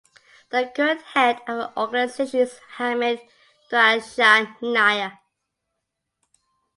The current head of the organization is Hamid Derakhshan Nia.